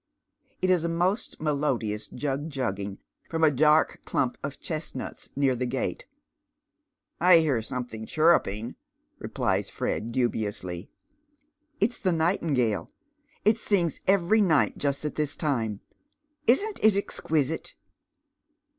It is a most melodious jug jugging fi om s dark clump of chestnuts near the gate. " I hear soniuLhiiig chirping," replies Fred, dubiously. " It's the nightingale. It sings every night just at this tima. Isn't it exquisite?"